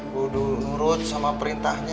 kudu nurut sama perintahnya